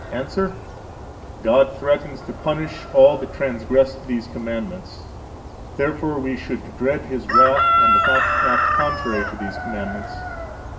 –Answer: God threatens to punish all that transgress these commandments. Therefore we should dread His wrath and not act contrary to these commandments.